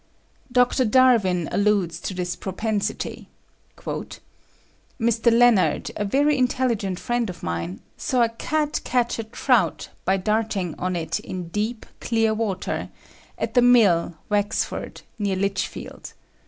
Dr. Darwin alludes to this propensity: "Mr. Leonard, a very intelligent friend of mine, saw a cat catch a trout by darting on it in deep, clear water, at the Mill, Wexford, near Lichfield.